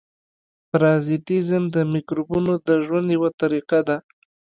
پرازیتېزم د مکروبونو د ژوند یوه طریقه ده.